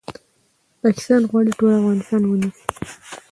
پاکستان غواړي ټول افغانستان ونیسي